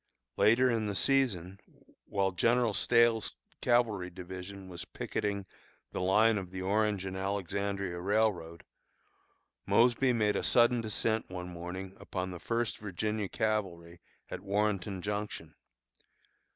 Later in the season, while General Stahel's cavalry division was picketing the line of the Orange and Alexandria Railroad, Mosby made a sudden descent one morning upon the First Virginia Cavalry at Warrenton Junction.